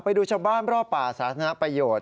ไปดูชาวบ้านรอบป่าสาธารณประโยชน์